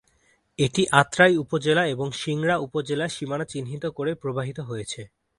এটি আত্রাই উপজেলা এবং সিংড়া উপজেলার সীমানা চিহ্নিত করে প্রবাহিত হয়েছে।